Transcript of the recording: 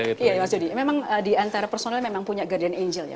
iya mas jody memang diantara personel memang punya guardian angel ya